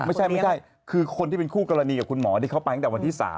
ไม่ใช่ไม่ใช่คือคนที่เป็นคู่กรณีกับคุณหมอที่เขาไปตั้งแต่วันที่๓